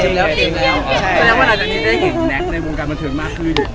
แสดงว่าเราจะได้เห็นแน็ตในวงการกระเทิงมากขึ้น